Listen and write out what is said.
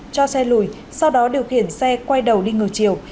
cho xe lùi sau đó điều khiển xe quay đầu đi ngược chiều